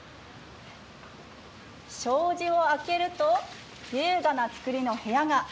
障子を開けると優雅な造りの部屋が。